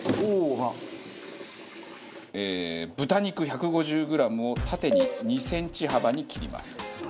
豚肉１５０グラムを縦に２センチ幅に切ります。